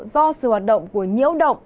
do sự hoạt động của nhiễu động